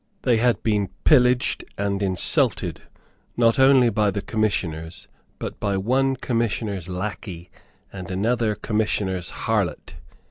They had been pillaged and insulted, not only by the commissioners, but by one commissioner's lacquey and by another commissioner's harlot.